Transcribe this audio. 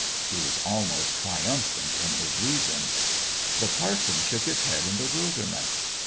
He was almost triumphant in his reason. The parson shook his head in bewilderment.